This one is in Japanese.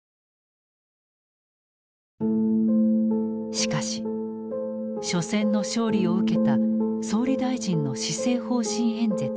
しかし緒戦の勝利を受けた総理大臣の施政方針演説では。